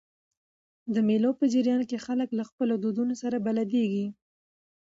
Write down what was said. د مېلو په جریان کښي خلک له خپلو دودونو سره بلديږي.